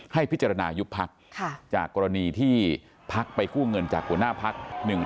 ให้พิจารณายุบภักดิ์จากกรณีที่ภักดิ์ไปคู่เงินจากหัวหน้าภักดิ์